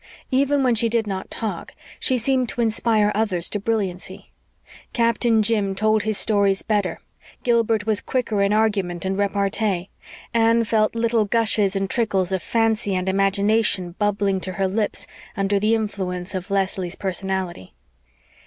Even when she did not talk she seemed to inspire others to brilliancy. Captain Jim told his stories better, Gilbert was quicker in argument and repartee, Anne felt little gushes and trickles of fancy and imagination bubbling to her lips under the influence of Leslie's personality.